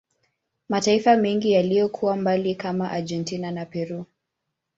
Mataifa mengi yaliyokuwa mbali kama Argentina na Peru